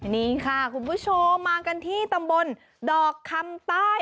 นี่ค่ะคุณผู้ชมมากันที่ตำบลดอกคำใต้